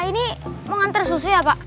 ini mau ngantre susu ya pak